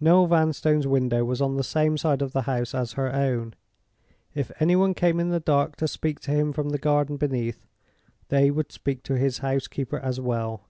Noel Vanstone's window was on the same side of the house as her own. If any one came in the dark to speak to him from the garden beneath, they would speak to his housekeeper as well.